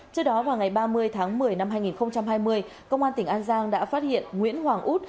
trước đó vào ngày ba mươi tháng một mươi năm hai nghìn hai mươi công an tỉnh an giang đã phát hiện nguyễn hoàng út